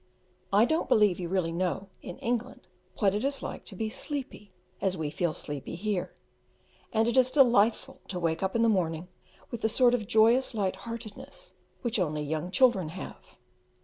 I don't believe you really know in England what it is to be sleepy as we feel sleepy here; and it is delightful to wake up in the morning with the sort of joyous light heartedness which only young children have.